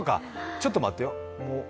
ちょっと待ってよ。